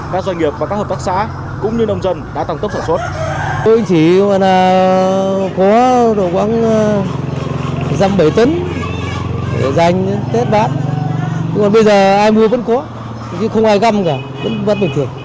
các doanh nghiệp và các hợp tác xã cũng như nông dân đã tăng tốc sản xuất